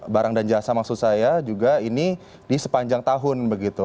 barang dan jasa maksud saya juga ini di sepanjang tahun begitu